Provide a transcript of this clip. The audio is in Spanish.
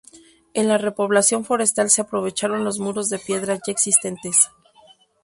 En la repoblación forestal se aprovecharon los muros de piedra ya existentes.